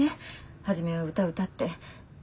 初めは歌歌って。